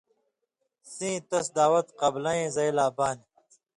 سیں تَس دعوت قبلَیں زئ لا بانیۡ